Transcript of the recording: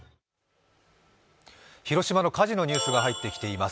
広島の火事のニュースが入ってきています。